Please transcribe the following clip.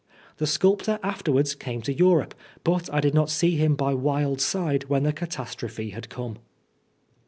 The sculptor afterwards came to Europe, but I did not see him by Wilde's side when the catastrophe had come.